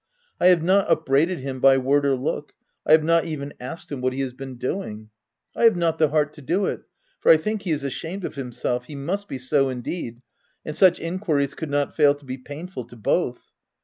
I have not upbraided him by word or look ; I have not even asked him what he has been doing. I have not the heart to do it, for I think he is ashamed of himself — he must be so indeed, — and such enquiries could not fail to be painful to both.